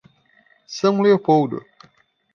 São Leopoldo